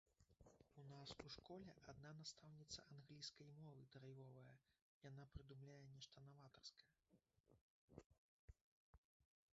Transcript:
У нас у школе адна настаўніца англійскай мовы драйвовая, яна прыдумляе нешта наватарскае.